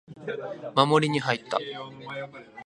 守りに入った